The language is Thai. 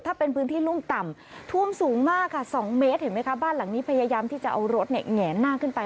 ถ้าเป็นพื้นที่รุ่มต่ำท่วมสูงมากค่ะ๒เมตรเห็นไหมคะบ้านหลังนี้พยายามที่จะเอารถแหงหน้าขึ้นไป